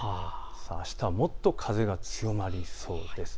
あしたはもっと風が強まりそうです。